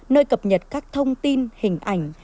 nơi cập nhật các thông tin hình ảnh